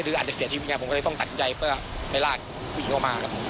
หรืออาจจะเสียชีวิตไงผมก็เลยต้องตัดสินใจเพื่อไปลากผู้หญิงออกมาครับผม